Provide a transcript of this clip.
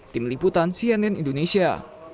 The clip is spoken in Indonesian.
tim liputan cnn indonesia